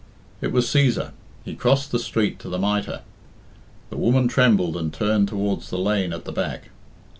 It was Cæsar. He crossed the street to the "Mitre." The woman trembled and turned towards the lane at the back.